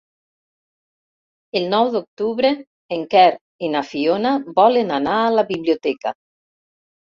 El nou d'octubre en Quer i na Fiona volen anar a la biblioteca.